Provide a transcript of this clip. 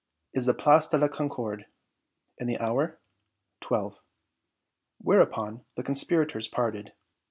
"Is the Place de La Concorde." "And the hour?" "Twelve." Whereupon the conspirators parted.